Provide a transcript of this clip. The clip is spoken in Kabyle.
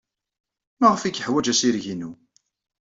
Maɣef ay yeḥwaj assireg-inu?